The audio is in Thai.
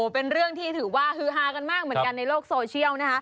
เป็นเรื่องที่ถือว่าฮือฮากันมากเหมือนกันในโลกโซเชียลนะคะ